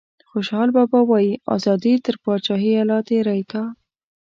خوشحال بابا وايي ازادي تر پاچاهیه لا تیری کا.